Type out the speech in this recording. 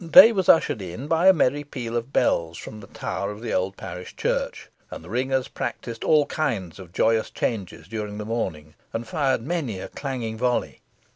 Day was ushered in by a merry peal of bells from the tower of the old parish church, and the ringers practised all kinds of joyous changes during the morning, and fired many a clanging volley.